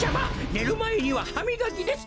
ねるまえにははみがきです。